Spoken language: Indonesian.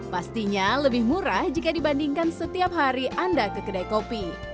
pastinya lebih murah jika dibandingkan setiap hari anda ke kedai kopi